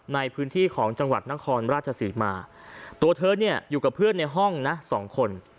ในพื้นที่ของจังหวัดน้างคอนราชสีมาตัวเธออยู่กับเพื่อนในห้องสองคน